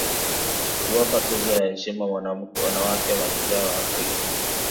kuwapa tuzo ya heshima wanawake mashujaa wa Afrika